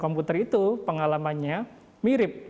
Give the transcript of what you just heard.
komputer itu pengalamannya mirip